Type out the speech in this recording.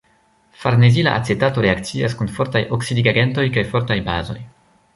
Farnezila acetato reakcias kun fortaj oksidigagentoj kaj fortaj bazoj.